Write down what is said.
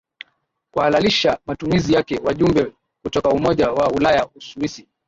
kuhalalisha matumizi yakeWajumbe kutoka Umoja wa Ulaya Uswisi